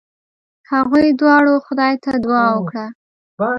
هغوی دواړو خدای ته دعا وکړه.